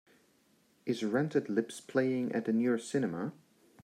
Is Rented Lips playing at the nearest cinema